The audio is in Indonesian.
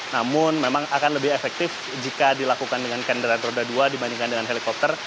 namun memang akan lebih efektif jika dilakukan dengan kendaraan roda dua dibandingkan dengan helikopter